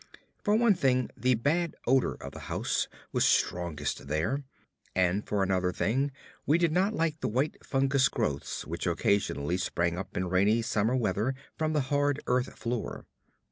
For one thing, the bad odor of the house was strongest there; and for another thing, we did not like the white fungous growths which occasionally sprang up in rainy summer weather from the hard earth floor.